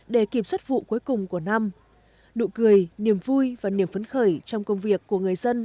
để kịp xuất vụ cuối cùng của năm nụ cười niềm vui và niềm phấn khởi trong công việc của người dân